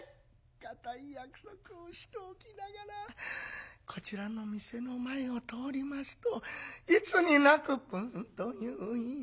固い約束をしておきながらこちらの店の前を通りますといつになくプーンといういい香り。